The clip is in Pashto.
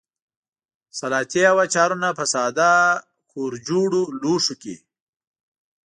سلاتې او اچارونه په ساده کورجوړو لوښیو کې.